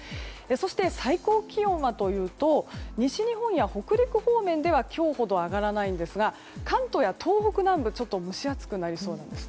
そして、最高気温は西日本や北陸方面では今日ほど上がらないんですが関東や東北南部ちょっと蒸し暑くなりそうです。